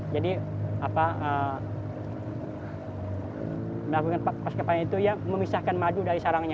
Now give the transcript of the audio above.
jadi apa melakukan pasca panen itu ya memisahkan madu dari sarangnya